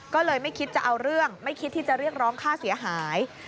ก็เลยไม่คิดจะเอาเรื่องไม่คิดที่จะเรียกร้องค่าเสียหาย